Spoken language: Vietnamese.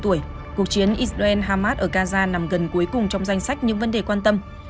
cuộc chiến israel hamas ở gaza nằm gần cuối cùng trong danh sách những vấn đề quan tâm